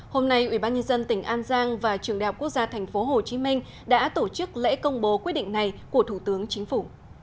hôm nay ủy ban nhân dân tỉnh an giang và trường đại học quốc gia tp hcm đã tổ chức lễ công bố quyết định này của thủ tướng chính phủ